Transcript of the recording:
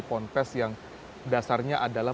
ponpes yang dasarnya adalah